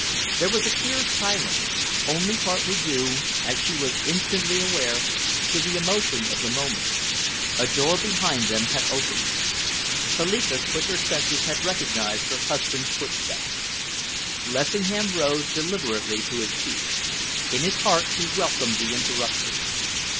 There was a queer silence, only partly due, as she was instantly aware, to the emotion of the moment. A door behind them had opened. Philippa's quicker senses had recognised her husband's footsteps. Lessingham rose deliberately to his feet. In his heart he welcomed the interruption.